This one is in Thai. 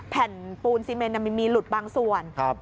แผ่นปูนซีเมนมันมีหลุดบางส่วน